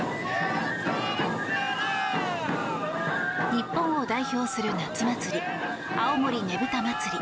日本を代表する夏祭り青森ねぶた祭。